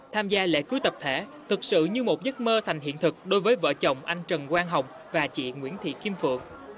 tham gia lễ cưới tập thể thực sự như một giấc mơ thành hiện thực đối với vợ chồng anh trần quang hồng và chị nguyễn thị kim phượng